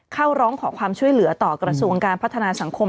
เข้าร้องขอความช่วยเหลือต่อกระทรวงการพัฒนาสังคม